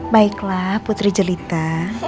baiklah putri jelita